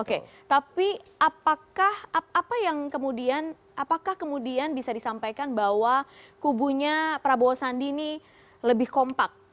oke tapi apakah apa yang kemudian apakah kemudian bisa disampaikan bahwa kubunya prabowo sandi ini lebih kompak